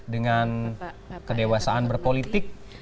dengan kedewasaan berpolitik